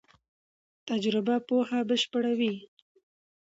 تجربه پوهه بشپړوي.